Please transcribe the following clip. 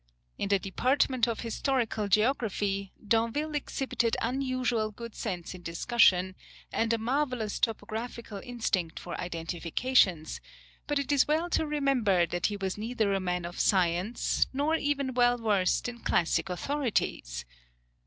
In the department of historical geography, D'Anville exhibited unusual good sense in discussion, and a marvellous topographical instinct for identifications, but it is well to remember that he was neither a man of science, nor even well versed in classic authorities.